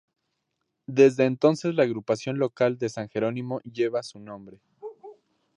Desde entonces la Agrupación Local de San Jerónimo lleva su nombre.